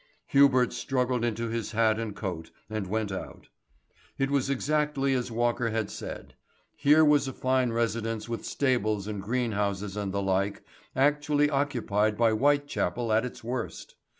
Hubert struggled into his hat and coat, and went out. It was exactly as Walker had said. Here was a fine residence with stables and greenhouses and the like, actually occupied by Whitechapel at its worst.